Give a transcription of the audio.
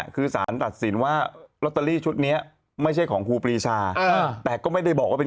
ครูปีชาแพ้อีกแล้ว